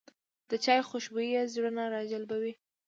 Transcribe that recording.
د چای خوشبويي زړونه راجلبوي